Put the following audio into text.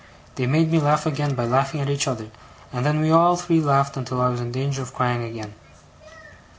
They made me laugh again by laughing at each other, and then we all three laughed until I was in danger of crying again.